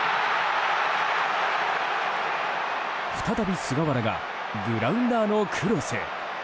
再び菅原がグラウンダーのクロス。